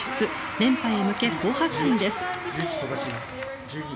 連覇へ向け好発進です。